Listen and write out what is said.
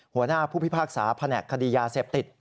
หัวหน้าผู้พิพากษาแผนกคดียาเสพติด